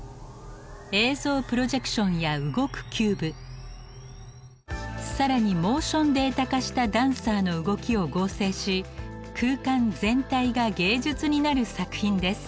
映像プロジェクションや動くキューブさらにモーションデータ化したダンサーの動きを合成し空間全体が芸術になる作品です。